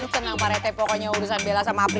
senang parete pokoknya urusan bella sama abril